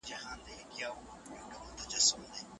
چین به پرمختګ وکړي.